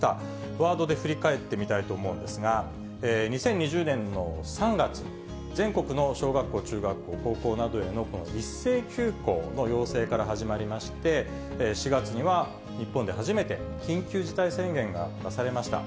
ワードで振り返ってみたいと思うんですが、２０２０年の３月、全国の小学校、中学校、高校などへのこの一斉休校の要請から始まりまして、４月には日本で初めて、緊急事態宣言が出されました。